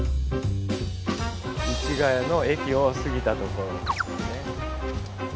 市ケ谷の駅を過ぎたところですね。